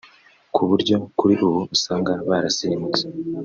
ku buryo kuri ubu usanga barasirumutse